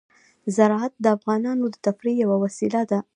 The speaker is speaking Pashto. زراعت د افغانانو د تفریح یوه وسیله ده.